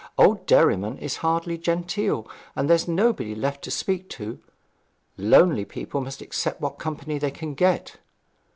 Old Derriman is hardly genteel; and there's nobody left to speak to. Lonely people must accept what company they can get.'